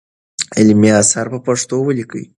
علمي اثار په پښتو ولیکئ.